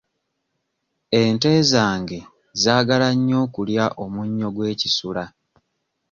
Ente zange zaagala nnyo okulya omunnyo gw'ekisula.